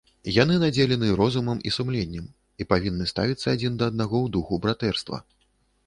Яны надзелены розумам і сумленнем і павінны ставіцца адзін да аднаго ў духу братэрства.